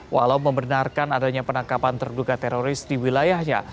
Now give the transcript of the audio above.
walau membenarkan adanya penangkapan terduga teroris di wilayahnya